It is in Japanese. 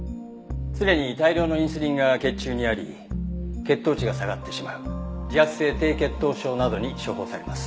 常に大量のインスリンが血中にあり血糖値が下がってしまう自発性低血糖症などに処方されます。